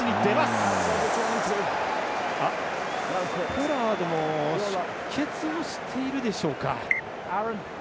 ポラード出血をしているでしょうか。